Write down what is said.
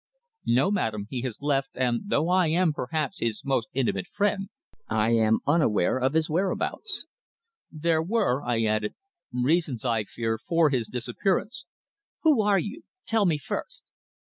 "No, madame. He has left, and though I am, perhaps, his most intimate friend, I am unaware of his whereabouts. There were," I added, "reasons, I fear, for his disappearance." "Who are you? Tell me, first."